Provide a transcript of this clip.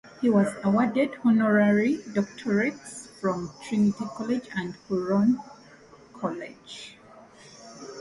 He was awarded honorary doctorates from Trinity College and Huron College.